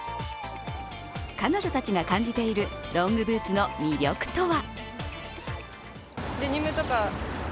彼女たちが感じているロングブーツの魅力とは？